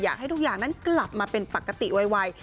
อยากให้ทุกอย่างนั้นกลับมาเป็นปกติไว